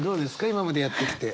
今までやってきて。